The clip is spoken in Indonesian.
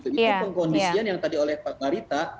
itu pengkondisian yang tadi oleh pak marita